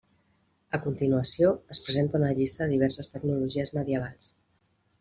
A continuació, es presenta una llista de diverses tecnologies medievals.